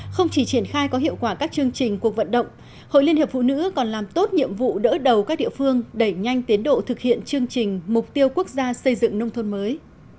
không chỉ triển khai có hiệu quả các chương trình cuộc vận động hội liên hiệp phụ nữ còn làm tốt nhiệm vụ đỡ đầu các địa phương đẩy nhanh tiến độ thực hiện chương trình mục tiêu quốc gia xây dựng nông thôn mới